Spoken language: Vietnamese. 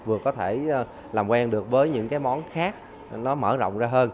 vừa có thể làm quen được với những cái món khác nó mở rộng ra hơn